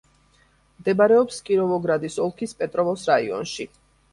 მდებარეობს კიროვოგრადის ოლქის პეტროვოს რაიონში.